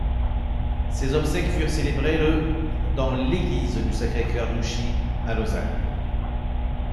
Ses obsèques furent célébrées le dans l’église du Sacré-Cœur d’Ouchy, à Lausanne.